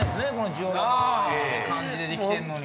ジオラマいい感じでできてんのに。